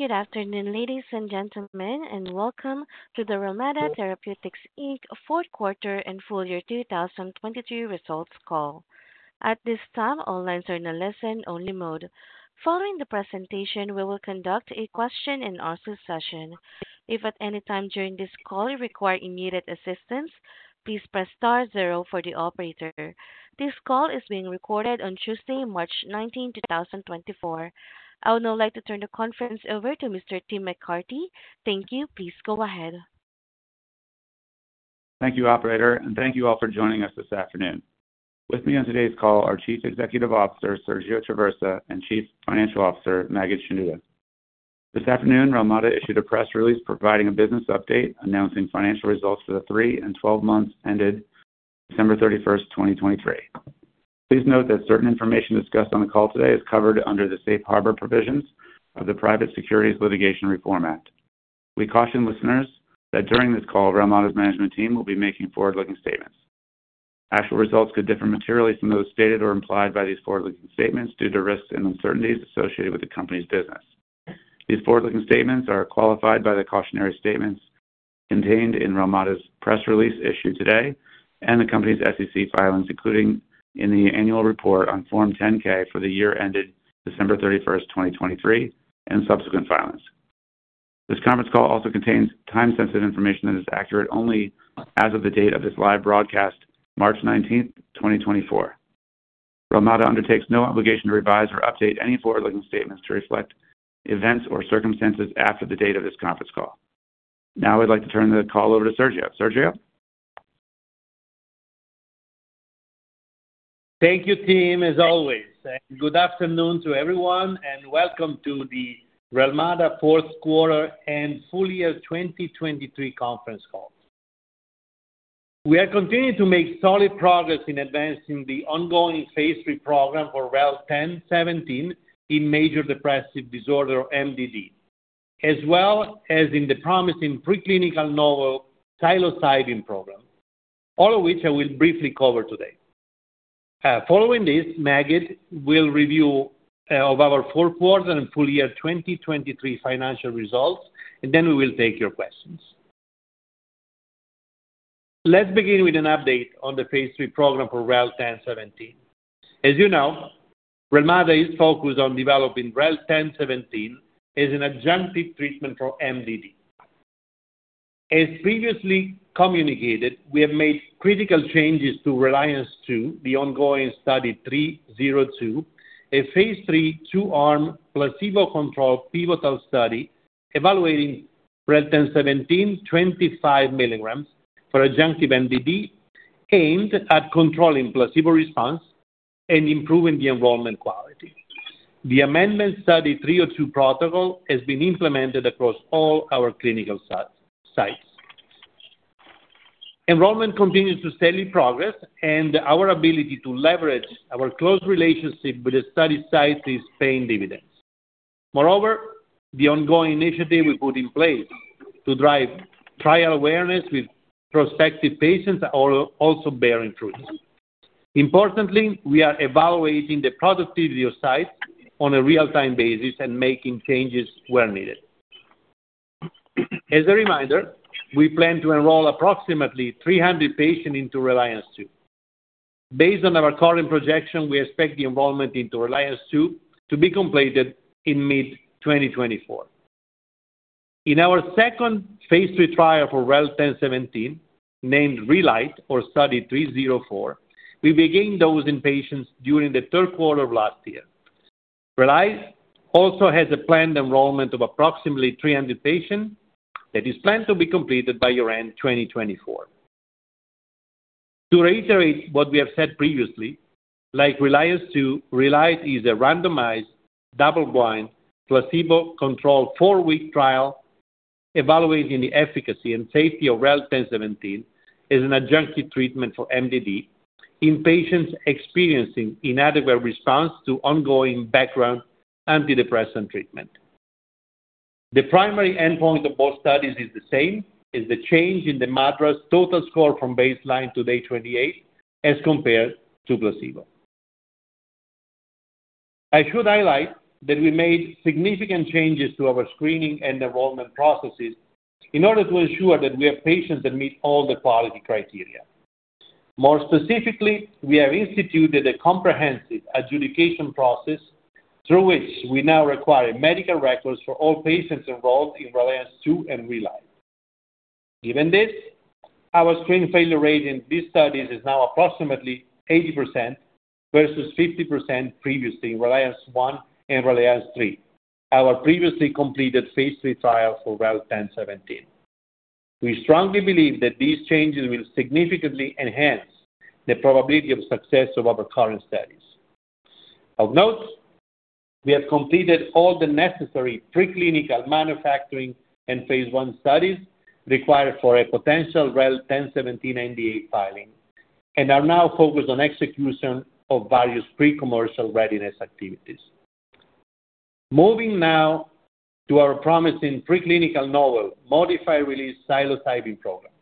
Good afternoon, ladies and gentlemen, and welcome to the Relmada Therapeutics Inc. fourth quarter and full year 2023 results call. At this time, all lines are in a listen-only mode. Following the presentation, we will conduct a question and answer session. If at any time during this call you require immediate assistance, please press star zero for the operator. This call is being recorded on Tuesday, March 19, 2024. I would now like to turn the conference over to Mr. Tim McCarthy. Thank you. Please go ahead. Thank you, operator, and thank you all for joining us this afternoon. With me on today's call are Chief Executive Officer, Sergio Traversa, and Chief Financial Officer, Maged Shenouda. This afternoon, Relmada issued a press release providing a business update, announcing financial results for the three and 12 months ended December 31, 2023. Please note that certain information discussed on the call today is covered under the safe harbor provisions of the Private Securities Litigation Reform Act. We caution listeners that during this call, Relmada's management team will be making forward-looking statements. Actual results could differ materially from those stated or implied by these forward-looking statements due to risks and uncertainties associated with the company's business. These forward-looking statements are qualified by the cautionary statements contained in Relmada's press release issued today and the company's SEC filings, including in the annual report on Form 10-K for the year ended December 31, 2023, and subsequent filings. This conference call also contains time-sensitive information that is accurate only as of the date of this live broadcast, March 19, 2024. Relmada undertakes no obligation to revise or update any forward-looking statements to reflect events or circumstances after the date of this conference call. Now I'd like to turn the call over to Sergio. Sergio? Thank you, Tim, as always. Good afternoon to everyone, and welcome to the Relmada fourth quarter and full year 2023 conference call. We are continuing to make solid progress in advancing the ongoing phase III program for REL-1017 in major depressive disorder, MDD, as well as in the promising preclinical novel psilocybin program, all of which I will briefly cover today. Following this, Maged will review of our fourth quarter and full year 2023 financial results, and then we will take your questions. Let's begin with an update on the phase III program for REL-1017. As you know, Relmada is focused on developing REL-1017 as an adjunctive treatment for MDD. As previously communicated, we have made critical changes to RELIANCE II, the ongoing Study 302, a phase III, 2-arm, placebo-controlled pivotal study evaluating REL-1017 25 mg for adjunctive MDD, aimed at controlling placebo response and improving the enrollment quality. The amendment Study 302 protocol has been implemented across all our clinical sites. Enrollment continues to steadily progress, and our ability to leverage our close relationship with the study site is paying dividends. Moreover, the ongoing initiative we put in place to drive trial awareness with prospective patients are also bearing fruit. Importantly, we are evaluating the productivity of sites on a real-time basis and making changes where needed. As a reminder, we plan to enroll approximately 300 patients into RELIANCE II. Based on our current projection, we expect the enrollment into RELIANCE II to be completed in mid-2024. In our second phase III trial for REL-1017, named RELITE or Study 304, we began dosing patients during the third quarter of last year. RELITE also has a planned enrollment of approximately 300 patients that is planned to be completed by year-end 2024. To reiterate what we have said previously, like RELIANCE II, RELITE is a randomized, double-blind, placebo-controlled 4-week trial evaluating the efficacy and safety of REL-1017 as an adjunctive treatment for MDD in patients experiencing inadequate response to ongoing background antidepressant treatment. The primary endpoint of both studies is the same, is the change in the MADRS total score from baseline to day 28 as compared to placebo. I should highlight that we made significant changes to our screening and enrollment processes in order to ensure that we have patients that meet all the quality criteria. More specifically, we have instituted a comprehensive adjudication process through which we now require medical records for all patients involved in RELIANCE II and RELITE. Given this, our screen failure rate in these studies is now approximately 80% versus 50% previously in RELIANCE I and RELIANCE III, our previously completed phase III trial for REL-1017. We strongly believe that these changes will significantly enhance the probability of success of our current studies. Of note, we have completed all the necessary preclinical manufacturing and phase I studies required for a potential REL-1017 NDA filing and are now focused on execution of various pre-commercial readiness activities. Moving now to our promising preclinical novel, modified-release psilocybin program....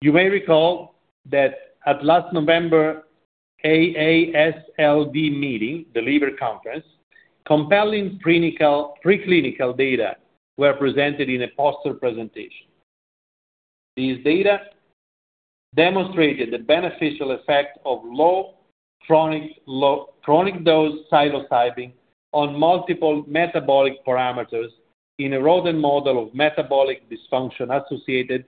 You may recall that at last November AASLD meeting, the liver conference, compelling clinical, preclinical data were presented in a poster presentation. These data demonstrated the beneficial effect of low chronic dose psilocybin on multiple metabolic parameters in a rodent model of metabolic dysfunction-associated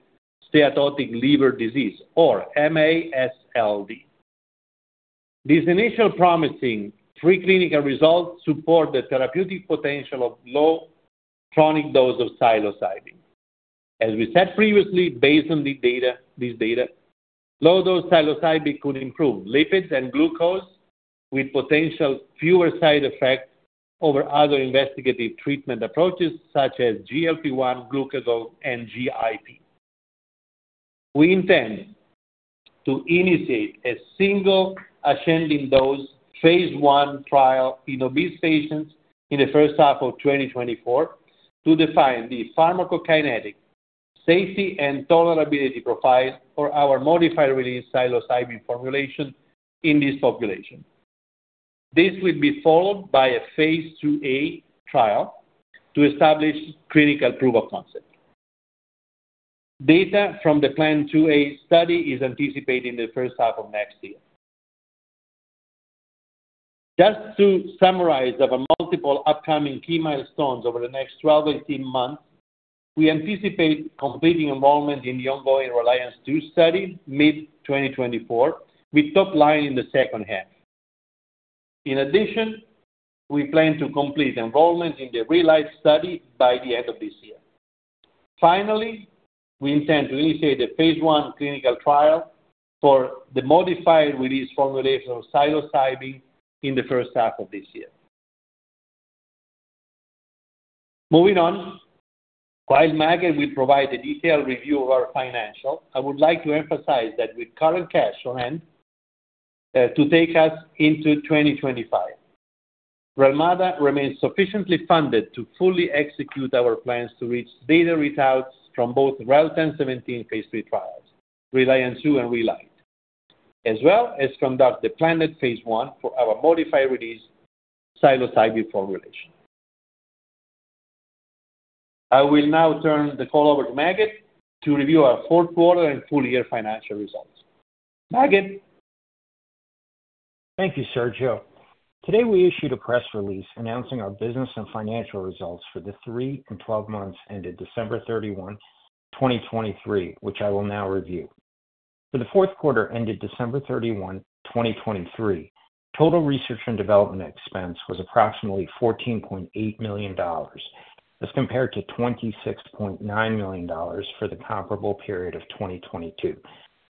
steatotic liver disease or MASLD. These initial promising preclinical results support the therapeutic potential of low chronic dose of psilocybin. As we said previously, based on the data, low dose psilocybin could improve lipids and glucose with potential fewer side effects over other investigative treatment approaches such as GLP-1, glucagon, and GIP. We intend to initiate a single ascending dose phase I trial in obese patients in the first half of 2024, to define the pharmacokinetic safety and tolerability profiles for our modified-release psilocybin formulation in this population. This will be followed by a phase IIa trial to establish critical proof of concept. Data from the planned IIa study is anticipated in the first half of next year. Just to summarize our multiple upcoming key milestones over the next 12-18 months, we anticipate completing enrollment in the ongoing RELIANCE II study mid-2024, with top line in the second half. In addition, we plan to complete enrollment in the RELITE study by the end of this year. Finally, we intend to initiate the phase I clinical trial for the modified-release formulation of psilocybin in the first half of this year. Moving on, while Maged will provide a detailed review of our financials, I would like to emphasize that with current cash on hand, to take us into 2025, Relmada remains sufficiently funded to fully execute our plans to reach data readouts from both REL-1017 phase III trials, RELIANCE II and RELITE, as well as conduct the planned phase I for our modified-release psilocybin formulation. I will now turn the call over to Maged to review our fourth quarter and full year financial results. Maged? Thank you, Sergio. Today, we issued a press release announcing our business and financial results for the three and 12 months ended December 31, 2023, which I will now review. For the fourth quarter ended December 31, 2023, total research and development expense was approximately $14.8 million, as compared to $26.9 million for the comparable period of 2022,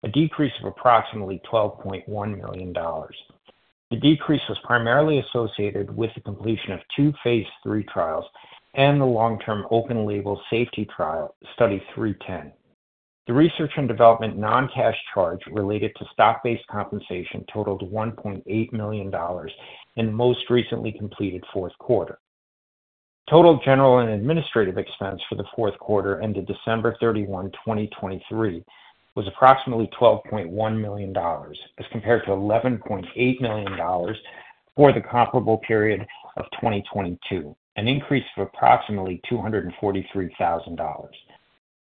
a decrease of approximately $12.1 million. The decrease was primarily associated with the completion of two phase III trials and the long-term open-label safety trial, Study 310. The research and development non-cash charge related to stock-based compensation totaled $1.8 million in most recently completed fourth quarter. Total general and administrative expense for the fourth quarter ended December 31, 2023, was approximately $12.1 million, as compared to $11.8 million for the comparable period of 2022, an increase of approximately $243,000.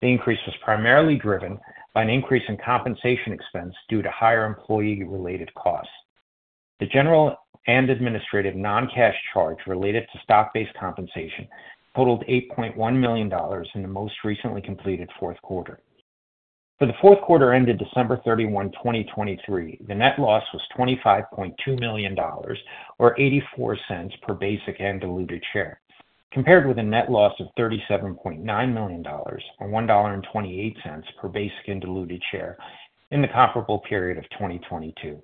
The increase was primarily driven by an increase in compensation expense due to higher employee-related costs. The general and administrative non-cash charge related to stock-based compensation totaled $8.1 million in the most recently completed fourth quarter. For the fourth quarter ended December 31, 2023, the net loss was $25.2 million, or $0.84 per basic and diluted share, compared with a net loss of $37.9 million or $1.28 per basic and diluted share in the comparable period of 2022.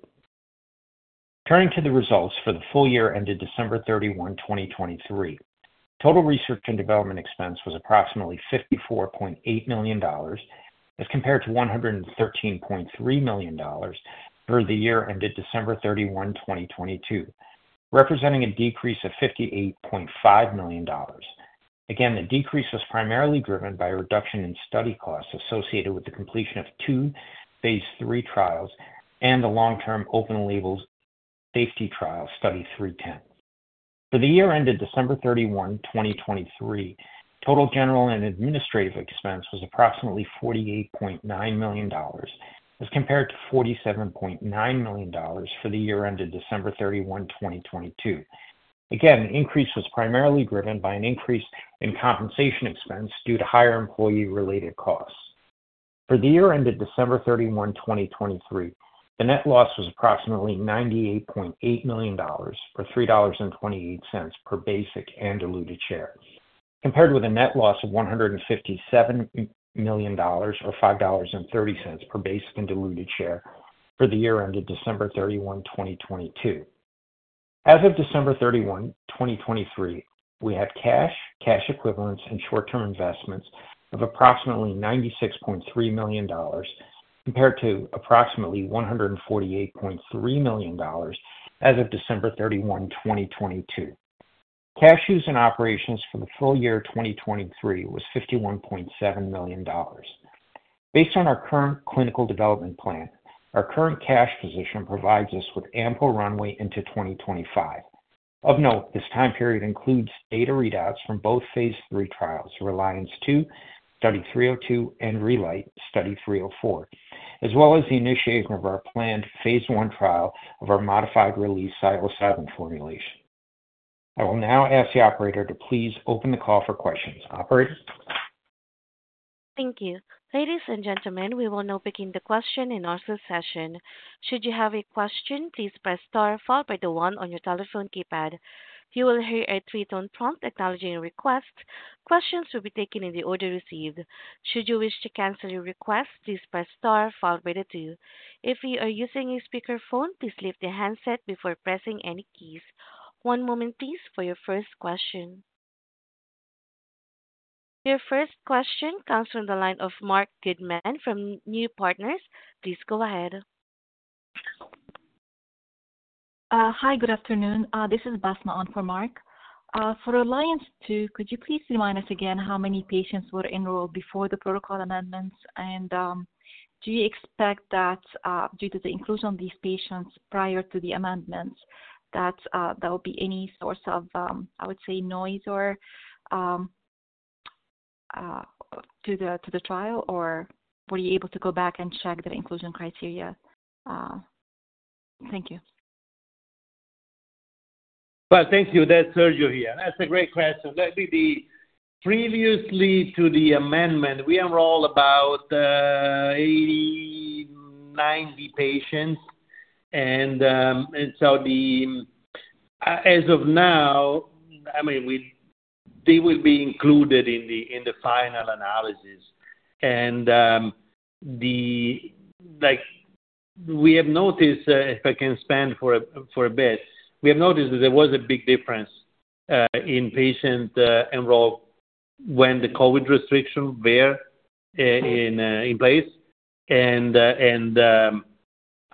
Turning to the results for the full year ended December 31, 2023. Total research and development expense was approximately $54.8 million, as compared to $113.3 million for the year ended December 31, 2022, representing a decrease of $58.5 million. Again, the decrease was primarily driven by a reduction in study costs associated with the completion of two phase III trials and the long-term open-label safety trial, Study 310. For the year ended December 31, 2023, total general and administrative expense was approximately $48.9 million, as compared to $47.9 million for the year ended December 31, 2022. Again, an increase was primarily driven by an increase in compensation expense due to higher employee-related costs. For the year ended December 31, 2023, the net loss was approximately $98.8 million, or $3.28 per basic and diluted share, compared with a net loss of $157 million, or $5.30 per basic and diluted share for the year ended December 31, 2022. As of December 31, 2023, we had cash, cash equivalents, and short-term investments of approximately $96.3 million, compared to approximately $148.3 million as of December 31, 2022. Cash use in operations for the full year 2023 was $51.7 million. Based on our current clinical development plan, our current cash position provides us with ample runway into 2025. Of note, this time period includes data readouts from both phase III trials, RELIANCE II, Study 302, and RELITE, Study 304, as well as the initiation of our planned phase II trial of our modified-release psilocybin formulation. I will now ask the operator to please open the call for questions. Operator? Thank you. Ladies and gentlemen, we will now begin the question and answer session. Should you have a question, please press star followed by the one on your telephone keypad. You will hear a three-tone prompt acknowledging your request. Questions will be taken in the order received. Should you wish to cancel your request, please press star followed by the two. If you are using a speakerphone, please leave the handset before pressing any keys. One moment, please, for your first question. Your first question comes from the line of Marc Goodman from Leerink Partners. Please go ahead. Hi, good afternoon. This is Basma on for Marc. For RELIANCE II, could you please remind us again how many patients were enrolled before the protocol amendments? And, do you expect that, due to the inclusion of these patients prior to the amendments, that there will be any source of, I would say noise or to the trial? Or were you able to go back and check the inclusion criteria? Thank you. Well, thank you. That's Sergio here. That's a great question. That'd be the previously to the amendment, we enroll about 80, 90 patients. And, and so the, as of now, I mean, they will be included in the, in the final analysis. And, like, we have noticed, if I can expand for a, for a bit, we have noticed that there was a big difference in patient enrollment when the COVID restriction were in place and, and,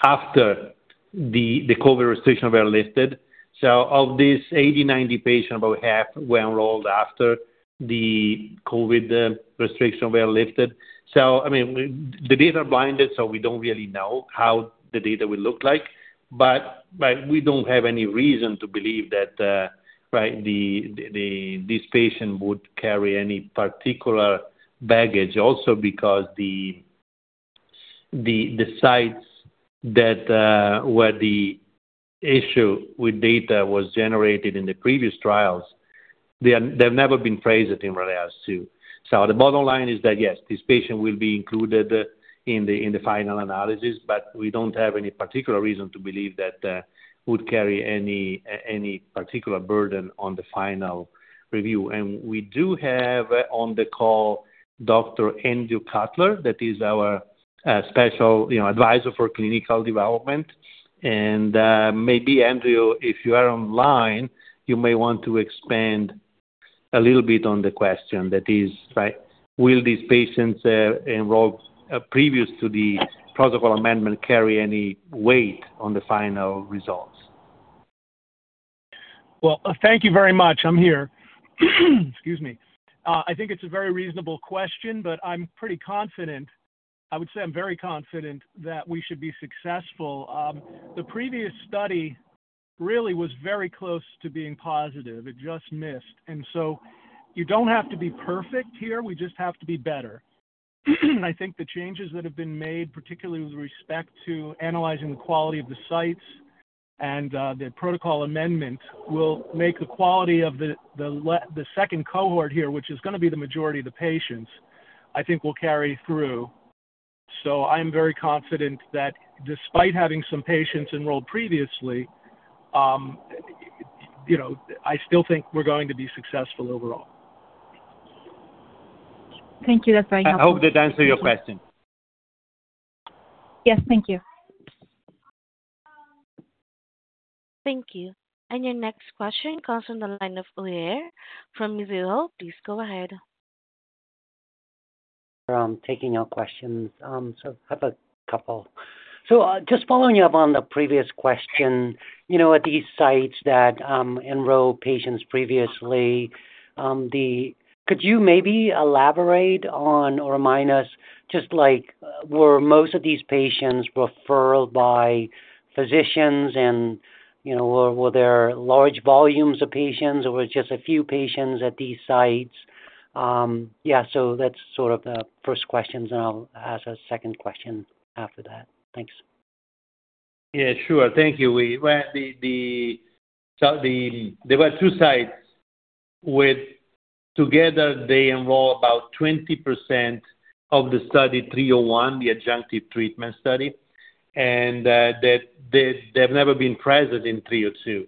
after the COVID restriction were lifted. So of these 80, 90 patients, about half were enrolled after the COVID restriction were lifted. So I mean, we, the data are blinded, so we don't really know how the data will look like, but we don't have any reason to believe that, right, this patient would carry any particular baggage. Also because the sites that where the issue with data was generated in the previous trials, they've never been phased in RELIANCE II. So the bottom line is that, yes, this patient will be included in the final analysis, but we don't have any particular reason to believe that would carry any particular burden on the final review. And we do have on the call Dr. Andrew Cutler, that is our special, you know, advisor for clinical development. Maybe Andrew, if you are online, you may want to expand a little bit on the question that is, right, will these patients enrolled previous to the protocol amendment carry any weight on the final results? Well, thank you very much. I'm here. Excuse me. I think it's a very reasonable question, but I'm pretty confident. I would say I'm very confident that we should be successful. The previous study really was very close to being positive. It just missed. And so you don't have to be perfect here, we just have to be better. I think the changes that have been made, particularly with respect to analyzing the quality of the sites and the protocol amendment, will make the quality of the second cohort here, which is gonna be the majority of the patients, I think will carry through. So I'm very confident that despite having some patients enrolled previously, you know, I still think we're going to be successful overall. Thank you. That's very helpful. I hope that answered your question. Yes, thank you. Thank you. And your next question comes from the line of Uy Ear from Mizuho Securities. Please go ahead. Thank you for taking my questions. So, I have a couple. So, just following up on the previous question, you know, at these sites that enroll patients previously. Could you maybe elaborate on or remind us, just like, were most of these patients referred by physicians? And, you know, were there large volumes of patients, or was it just a few patients at these sites? Yeah, so that's sort of the first question, and I'll ask a second question after that. Thanks. Yeah, sure. Thank you. Well, there were two sites that together enroll about 20% of Study 301, the adjunctive treatment study, and that they've never been present in 302.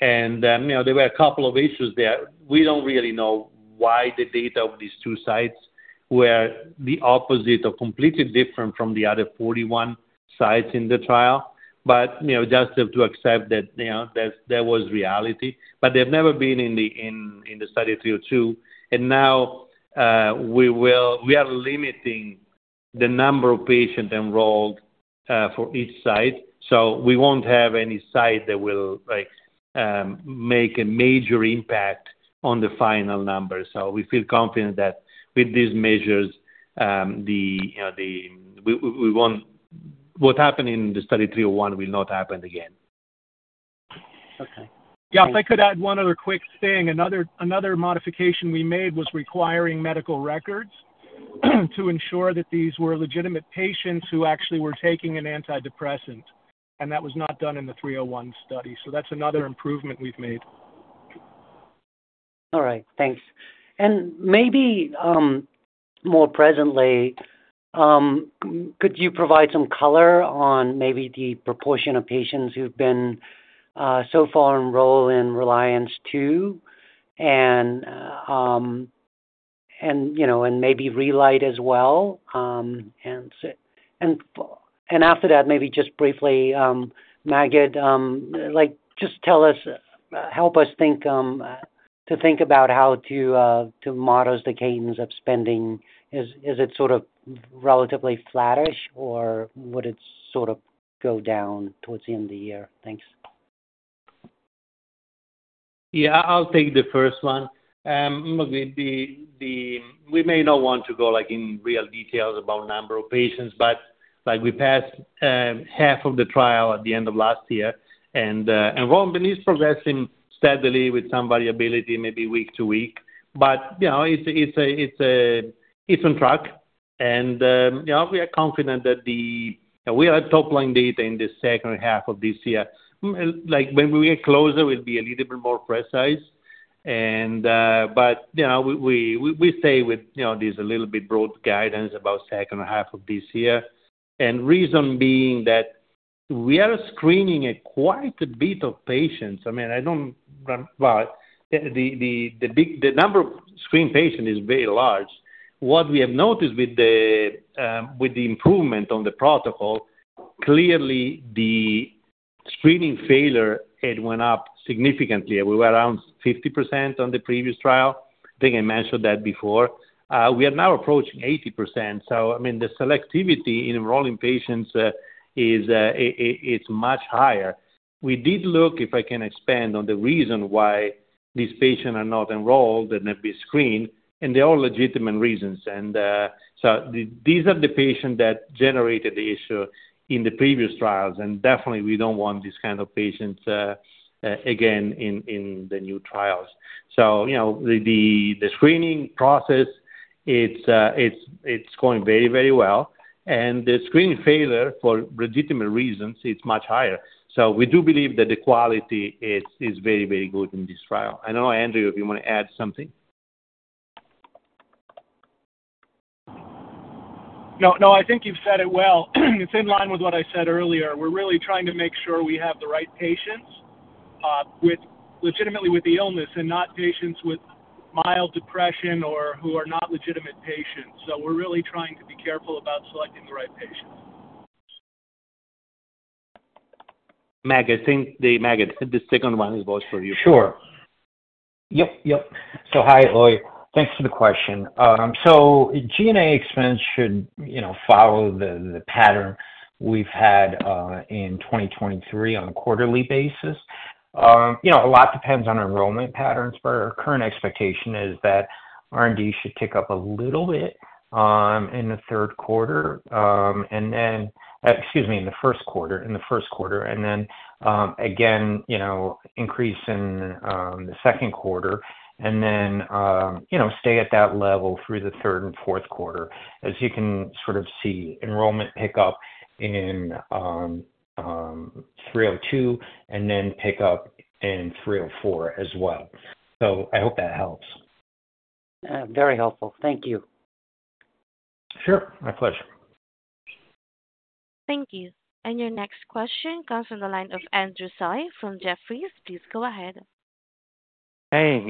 And, you know, there were a couple of issues there. We don't really know why the data of these two sites were the opposite or completely different from the other 41 sites in the trial, but, you know, just have to accept that, you know, that there was reality. But they've never been in the Study 302, and now we are limiting the number of patients enrolled for each site. So we won't have any site that will, like, make a major impact on the final numbers. So we feel confident that with these measures, what happened in the Study 301 will not happen again. Okay. Yeah, if I could add one other quick thing. Another, another modification we made was requiring medical records, to ensure that these were legitimate patients who actually were taking an antidepressant, and that was not done in the 301 study. So that's another improvement we've made. All right, thanks. And maybe, more presently, could you provide some color on maybe the proportion of patients who've been so far enrolled in RELIANCE II? And, and, you know, and maybe RELITE as well, and so... And, and after that, maybe just briefly, Maged, like, just tell us, help us think to think about how to to model the cadence of spending. Is, is it sort of relatively flattish, or would it sort of go down towards the end of the year? Thanks. Yeah, I'll take the first one. Maybe we may not want to go, like, in real details about number of patients, but, like, we passed half of the trial at the end of last year. Enrollment is progressing steadily with some variability, maybe week to week. But, you know, it's on track, and, you know, we are confident that we have top line data in the second half of this year. Like, when we get closer, we'll be a little bit more precise. But, you know, we stay with, you know, this a little bit broad guidance about second half of this year. Reason being that we are screening quite a bit of patients. I mean, I don't know, well, the number of screened patients is very large. What we have noticed with the improvement on the protocol, clearly the screening failure rate went up significantly. We were around 50% on the previous trial. I think I mentioned that before. We are now approaching 80%, so, I mean, the selectivity in enrolling patients is much higher. We did look, if I can expand on the reason why these patients are not enrolled and have been screened, and they're all legitimate reasons. So these are the patients that generated the issue in the previous trials, and definitely we don't want these kind of patients again in the new trials. So, you know, the screening process, it's going very, very well, and the screening failure for legitimate reasons, it's much higher. So we do believe that the quality is very, very good in this trial. I know, Andrew, if you want to add something. No, no, I think you've said it well. It's in line with what I said earlier. We're really trying to make sure we have the right patients, with legitimately with the illness and not patients with mild depression or who are not legitimate patients. So we're really trying to be careful about selecting the right patients. Maged, I think, the Maged, the second one is both for you. Sure. Yep, yep. So, hi, Uy. Thanks for the question. So G&A expense should, you know, follow the pattern we've had in 2023 on a quarterly basis. You know, a lot depends on enrollment patterns, but our current expectation is that R&D should tick up a little bit in the third quarter, and then, excuse me, in the first quarter, and then, again, you know, increase in the second quarter and then, you know, stay at that level through the third and fourth quarter. As you can sort of see enrollment pick up in 302 and then pick up in 304 as well. So I hope that helps. Very helpful. Thank you. Sure. My pleasure. Thank you. And your next question comes from the line of Andrew Tsai from Jefferies. Please go ahead. Hey,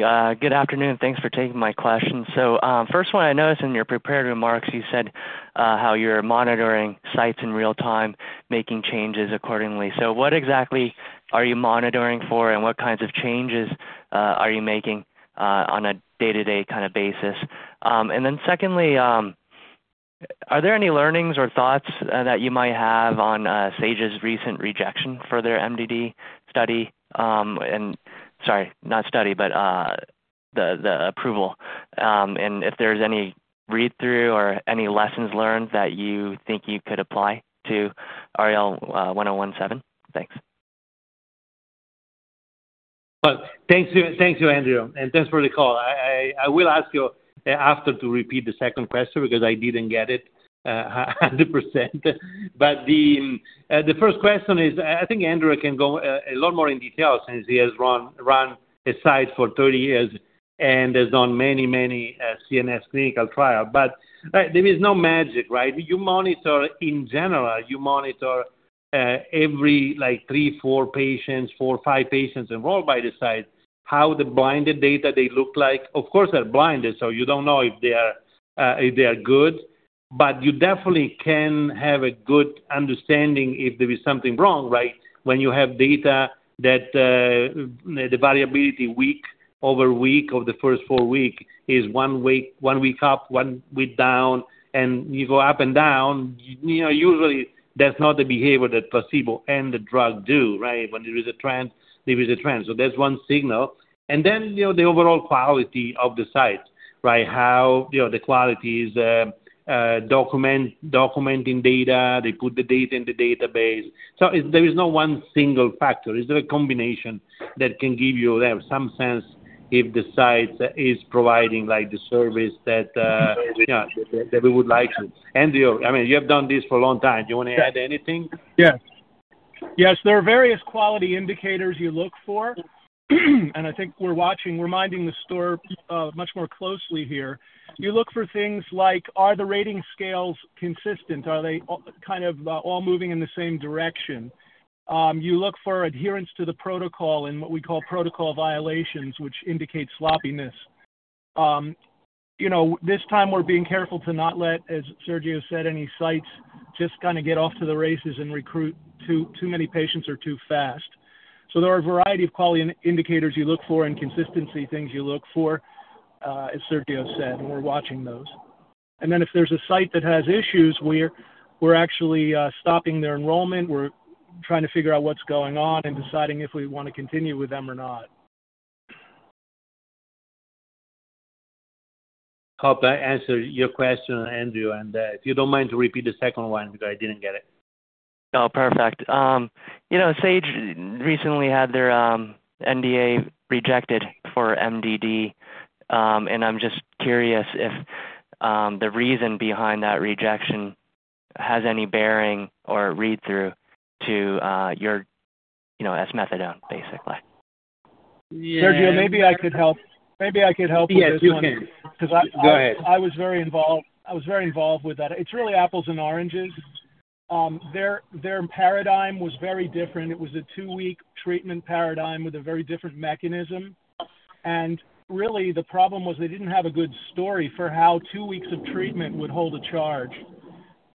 good afternoon. Thanks for taking my question. So, first one, I noticed in your prepared remarks, you said how you're monitoring sites in real time, making changes accordingly. So what exactly are you monitoring for, and what kinds of changes are you making on a day-to-day kind of basis? And then secondly, are there any learnings or thoughts that you might have on Sage's recent rejection for their MDD study? And sorry, not study, but the, the approval, and if there's any read-through or any lessons learned that you think you could apply to REL-1017? Thanks. Well, thank you. Thank you, Andrew, and thanks for the call. I will ask you after to repeat the second question because I didn't get it 100%. But the first question is, I think Andrew can go a lot more in detail since he has run a site for 30 years and has done many, many CNS clinical trial. But there is no magic, right? You monitor, in general, you monitor every like 3-4 patients, 4-5 patients enrolled by the site. How the blinded data they look like? Of course, they're blinded, so you don't know if they are if they are good... But you definitely can have a good understanding if there is something wrong, right? When you have data that the variability week over week of the first four weeks is one week, one week up, one week down, and you go up and down, you know, usually that's not the behavior that placebo and the drug do, right? When there is a trend, there is a trend. So that's one signal. And then, you know, the overall quality of the site, right? How, you know, the quality is documenting data. They put the data in the database. So there is no one single factor. It's the combination that can give you a sense if the site is providing, like, the service that, yeah, that we would like to. Andrew, I mean, you have done this for a long time. Do you wanna add anything? Yes. Yes, there are various quality indicators you look for, and I think we're watching, we're minding the store, much more closely here. You look for things like, are the rating scales consistent? Are they all, kind of, all moving in the same direction? You look for adherence to the protocol and what we call protocol violations, which indicates sloppiness. You know, this time we're being careful to not let, as Sergio said, any sites just kinda get off to the races and recruit too, too many patients or too fast. So there are a variety of quality indicators you look for and consistency things you look for, as Sergio said, and we're watching those. And then if there's a site that has issues, we're, we're actually, stopping their enrollment. We're trying to figure out what's going on and deciding if we wanna continue with them or not. Hope I answered your question, Andrew, and, if you don't mind to repeat the second one, because I didn't get it. Oh, perfect. You know, Sage recently had their NDA rejected for MDD, and I'm just curious if the reason behind that rejection has any bearing or read-through to your, you know, esmethadone, basically? Sergio, maybe I could help. Maybe I could help with this one. Yes, you can. Go ahead. Because I was very involved with that. It's really apples and oranges. Their paradigm was very different. It was a two-week treatment paradigm with a very different mechanism. And really, the problem was they didn't have a good story for how two weeks of treatment would hold a charge.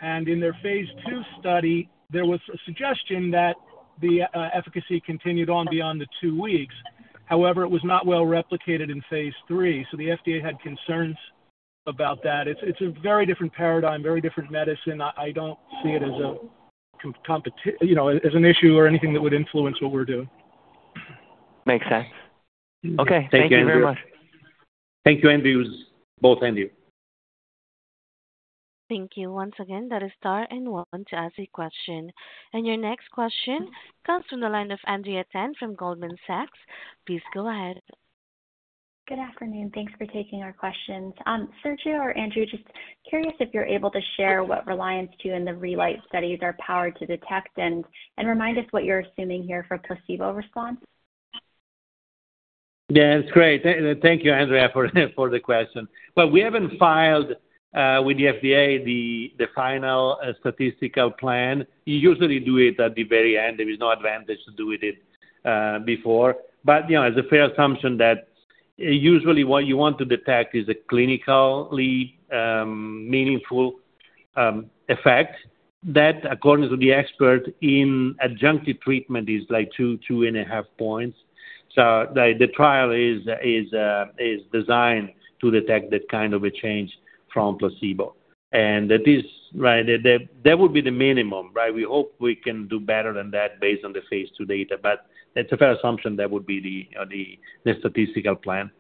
And in their phase II study, there was a suggestion that the efficacy continued on beyond the two weeks. However, it was not well replicated in phase III, so the FDA had concerns about that. It's a very different paradigm, very different medicine. I don't see it as a compe-- you know, as an issue or anything that would influence what we're doing. Makes sense. Okay. Thank you, Andrew. Thank you very much. Thank you, Andrews. Both Andrews. Thank you. Once again, that is star one to ask a question. Your next question comes from the line of Andrea Tan from Goldman Sachs. Please go ahead. Good afternoon. Thanks for taking our questions. Sergio or Andrew, just curious if you're able to share what RELIANCE II and the RELITE studies are powered to detect, and remind us what you're assuming here for placebo response. Yeah, it's great. Thank you, Andrea, for the question. Well, we haven't filed with the FDA the final statistical plan. You usually do it at the very end. There is no advantage to doing it before. But, you know, it's a fair assumption that usually what you want to detect is a clinically meaningful effect. That, according to the expert in adjunctive treatment, is like 2-2.5 points. So the trial is designed to detect that kind of a change from placebo. And that is, right, that would be the minimum, right? We hope we can do better than that based on the phase II data, but that's a fair assumption. That would be the statistical plan.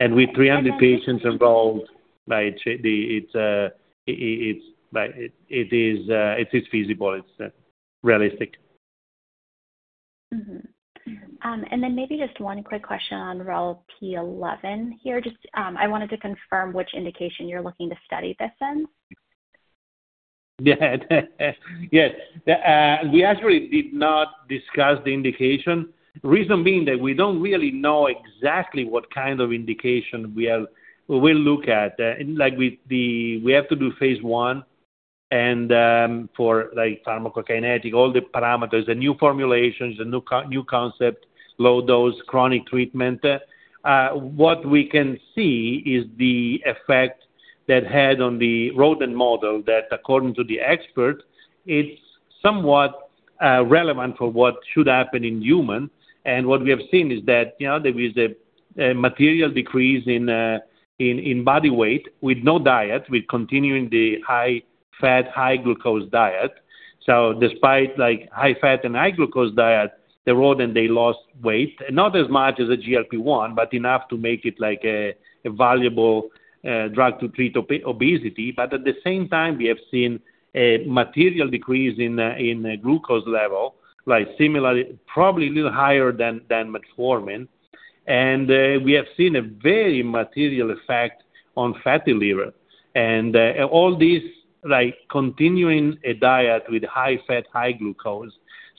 And with 300 patients involved, right, the. It's, like, it is feasible. It's realistic. Mm-hmm. And then maybe just one quick question on REL-P11 here. Just, I wanted to confirm which indication you're looking to study this in? Yes. We actually did not discuss the indication. Reason being that we don't really know exactly what kind of indication we will look at. Like, with the... We have to do phase I and, for, like, pharmacokinetic, all the parameters, the new formulations, the new concept, low dose, chronic treatment. What we can see is the effect that had on the rodent model, that according to the expert, it's somewhat relevant for what should happen in humans. And what we have seen is that, you know, there is a material decrease in body weight with no diet, with continuing the high fat, high glucose diet. So despite, like, high fat and high glucose diet, the rodent, they lost weight, not as much as a GLP-1, but enough to make it like a valuable drug to treat obesity. But at the same time, we have seen a material decrease in glucose level, like similarly, probably a little higher than metformin. And we have seen a very material effect on fatty liver and all these, like, continuing a diet with high fat, high glucose.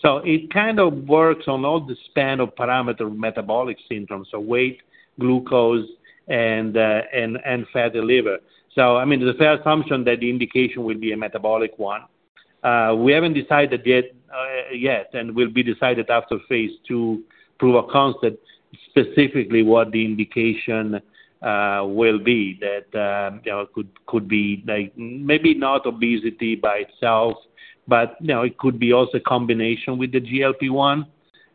So it kind of works on all the span of parameter metabolic symptoms so weight, glucose, and fatty liver. So I mean, the fair assumption that the indication will be a metabolic one. We haven't decided yet, and will be decided after phase II proof of concept, specifically what the indication will be. That, you know, could be like maybe not obesity by itself, but, you know, it could be also a combination with the GLP-1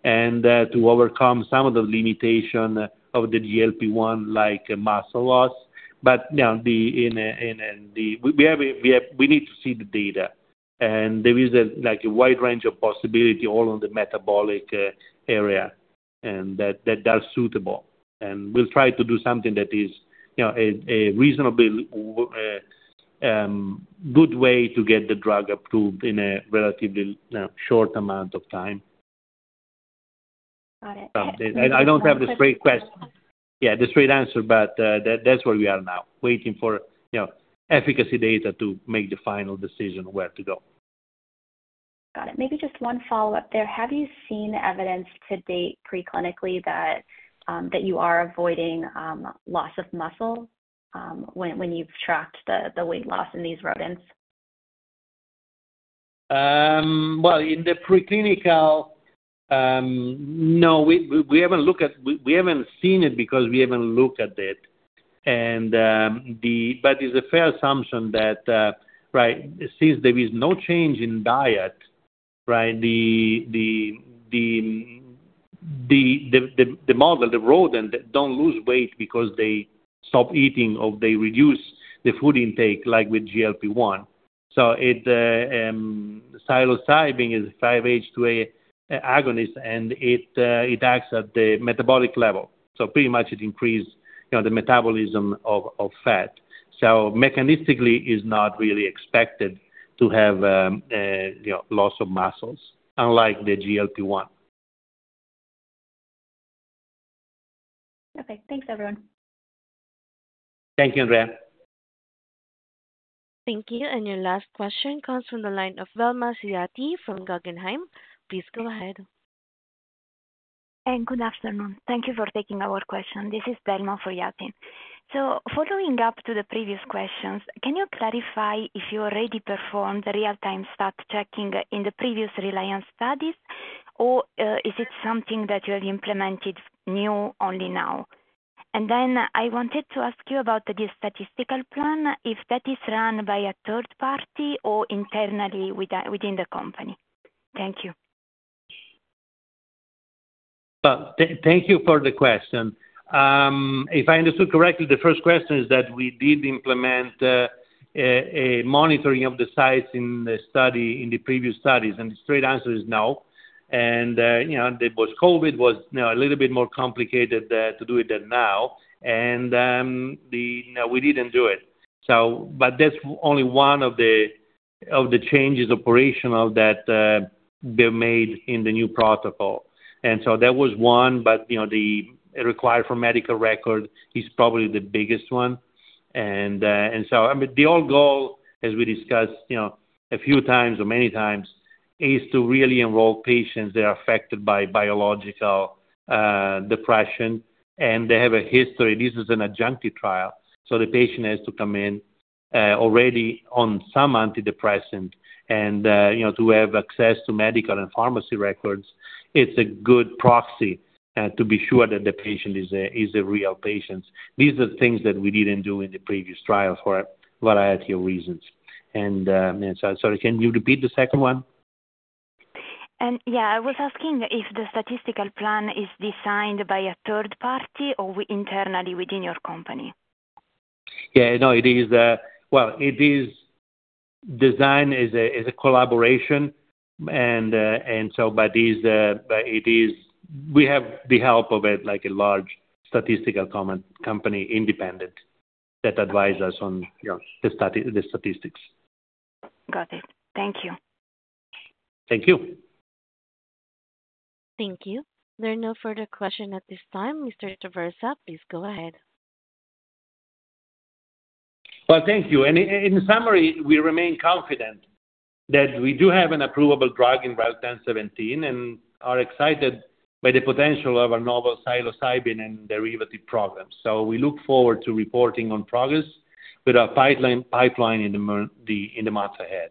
and to overcome some of the limitation of the GLP-1, like muscle loss. But, you know, we need to see the data, and there is like a wide range of possibility all on the metabolic area, and that are suitable. And we'll try to do something that is, you know, a reasonably good way to get the drug approved in a relatively, you know, short amount of time. Got it. And I don't have the straight answer. Yeah, the straight answer, but that, that's where we are now, waiting for, you know, efficacy data to make the final decision where to go. Got it. Maybe just one follow-up there. Have you seen evidence to date pre-clinically that you are avoiding loss of muscle when you've tracked the weight loss in these rodents? Well, in the preclinical, we haven't seen it because we haven't looked at it. But it's a fair assumption that, right, since there is no change in diet, right, the model, the rodent don't lose weight because they stop eating or they reduce the food intake like with GLP-1. So psilocybin is 5-HT2A agonist, and it acts at the metabolic level. So pretty much it increase, you know, the metabolism of fat. So mechanistically is not really expected to have, you know, loss of muscles, unlike the GLP-1. Okay. Thanks, everyone. Thank you, Andrea. Thank you, and your last question comes from the line of Yatin Suneja from Guggenheim. Please go ahead. Good afternoon. Thank you for taking our question. This is Yatin Suneja. Following up to the previous questions, can you clarify if you already performed the real-time start tracking in the previous RELIANCE studies, or is it something that you have implemented new only now? Then I wanted to ask you about the statistical plan, if that is run by a third party or internally within the company. Thank you. Well, thank you for the question. If I understood correctly, the first question is that we did implement a monitoring of the sites in the study, in the previous studies, and the straight answer is no. And, you know, there was COVID, you know, a little bit more complicated to do it than now. And, you know, we didn't do it. So, but that's only one of the changes operational that were made in the new protocol. And so that was one, but you know, the requirement for medical record is probably the biggest one. And, and so, I mean, the whole goal, as we discussed, you know, a few times or many times, is to really enroll patients that are affected by biological depression, and they have a history. This is an adjunctive trial, so the patient has to come in, already on some antidepressant and, you know, to have access to medical and pharmacy records. It's a good proxy, to be sure that the patient is a real patient. These are things that we didn't do in the previous trial for a variety of reasons. Yeah, so, sorry, can you repeat the second one? Yeah. I was asking if the statistical plan is designed by a third party or internally within your company? Yeah, no, it is. Well, its design is a collaboration and, and so but it is, but it is we have the help of a, like, a large statistical consulting company, independent, that advise us on, you know, the statistics. Got it. Thank you. Thank you. Thank you. There are no further questions at this time. Mr. Traversa, please go ahead. Well, thank you. And in summary, we remain confident that we do have an approvable drug in REL-1017, and are excited by the potential of a novel psilocybin and derivative programs. So we look forward to reporting on progress with our pipeline in the near term, in the months ahead.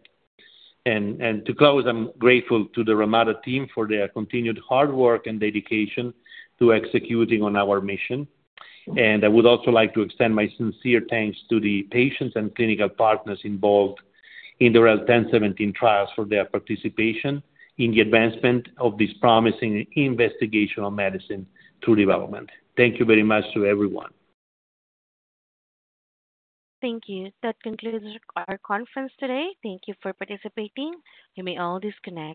And to close, I'm grateful to the Relmada team for their continued hard work and dedication to executing on our mission. And I would also like to extend my sincere thanks to the patients and clinical partners involved in the REL-1017 trials for their participation in the advancement of this promising investigational medicine in development. Thank you very much to everyone. Thank you. That concludes our conference today. Thank you for participating. You may all disconnect.